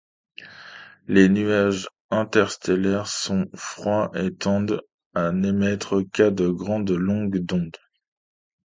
Les nuages interstellaires sont froids et tendent à n'émettre qu'à de grandes longueurs d'onde.